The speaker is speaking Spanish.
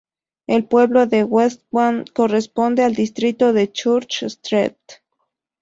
El pueblo de West Ham corresponde al distrito de Church-street.